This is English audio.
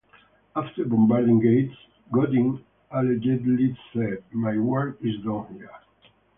After bombarding Gates, Godin allegedly said, My work is done here.